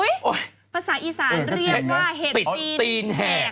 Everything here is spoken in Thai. ภาษาอีสานเรียกว่าเห็ดตีนแหก